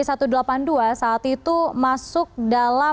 saat itu masuk dalam